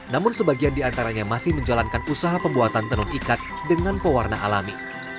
namun sebagian diantaranya masih menjalankan usaha pembuatan tenun ikat dengan pewarna alami